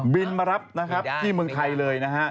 มารับนะครับที่เมืองไทยเลยนะฮะ